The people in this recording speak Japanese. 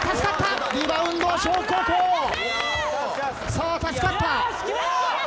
さあ助かった。